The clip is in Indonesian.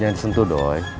jangan disentuh doi